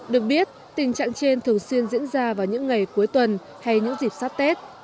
được biết tình trạng trên thường xuyên diễn ra vào những ngày cuối tuần hay những dịp sắp tết